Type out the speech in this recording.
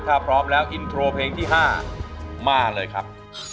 ถ้าพร้อมแล้วอินโทรเพลงที่๕มาเลยครับ